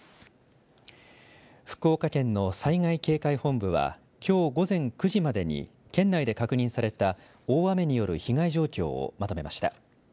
福岡県の災害警戒本部はきょう午前９時までに県内で確認された大雨による被害状況をまとめました。